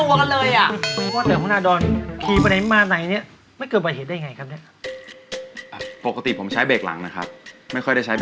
แบบว่าอย่างนี้เขาเรียกว่าคนนี้ถี่คุ้มจะใช้เบรคหลังนี่นะครับ